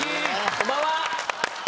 こんばんは！